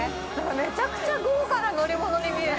◆めちゃくちゃ豪華な乗り物に見える。